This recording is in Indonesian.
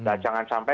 nah jangan sampai